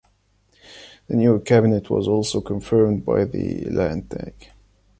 The new cabinet was also confirmed by the Landtag.